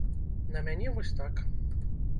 На мяне вось так.